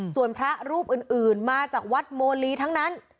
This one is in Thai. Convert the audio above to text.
ส่วนพระรูปอื่นมาจากวัดโมลีทั้งนั้น